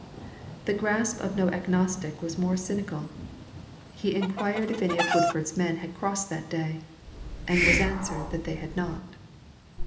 The grasp of no agnostic was more cynical. He inquired if any of Woodford's men had crossed that day, and was answered that they had not.